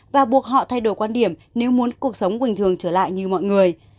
và buộc họ thay đổi quan điểm nếu muốn cuộc sống bình thường trở lại như mọi người